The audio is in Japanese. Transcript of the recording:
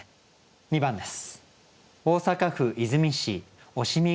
２番です。